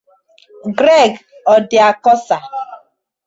Greg Odiakosa